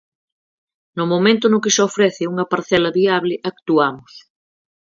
No momento no que se ofrece unha parcela viable, actuamos.